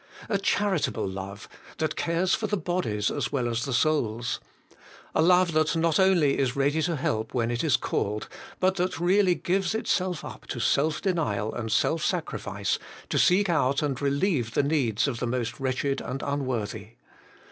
A charitable love that cares for the bodies as well as the souls. A love that not only is ready to help when it is called, but that really gives itself up to self denial and self sacrifice to seek out and relieve the needs of the most wretched and un worthy.